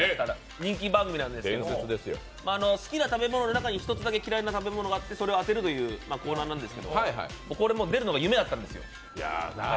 人気番組なんですけど好きな食べ物の中に嫌いな食べ物があってそれを当てるというコーナーなんですけどこれもう出るのが夢だったんですよ。